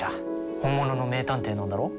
本物の名探偵なんだろ？